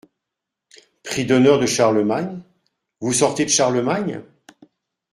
Prix d’honneur de Charlemagne, vous sortez de Charlemagne ?